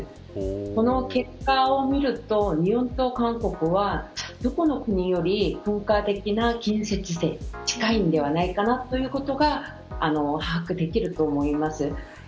その結果を見ると日本と韓国はどこの国より文化的な近似値性が近いんじゃないかということが把握できると思います。